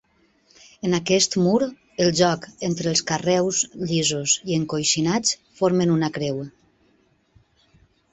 En aquest mur, el joc entre els carreus llisos i encoixinats formen una creu.